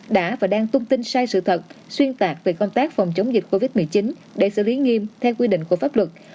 đã và đang tung tin sai sự thật xuyên tạc về công tác phòng chống dịch covid một mươi chín để xử lý nghiêm theo quy định của pháp luật